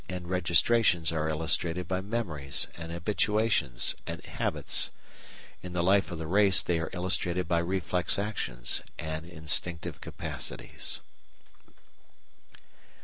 In the life of the individual these enregistrations are illustrated by memories and habituations and habits; in the life of the race they are illustrated by reflex actions and instinctive capacities.